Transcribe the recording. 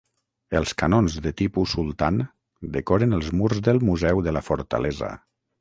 Els canons de Tipu Sultan decoren els murs del museu de la fortalesa.